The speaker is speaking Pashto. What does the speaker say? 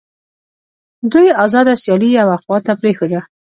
دوی آزاده سیالي یوې خواته پرېښوده